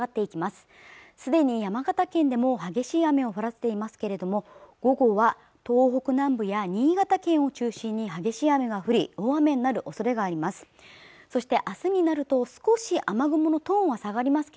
すでに山形県でも激しい雨を降らせていますけれども午後は東北南部や新潟県を中心に激しい雨が降り大雨になる恐れがあります